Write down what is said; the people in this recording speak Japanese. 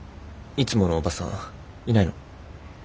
いつものおばさんいないの？